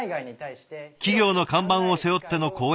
企業の看板を背負っての講演。